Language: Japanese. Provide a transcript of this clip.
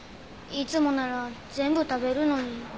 いつもなら全部食べるのに。